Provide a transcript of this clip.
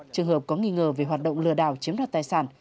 trường hợp có nghi ngờ về hoạt động lừa đảo chiếm đoạt tài sản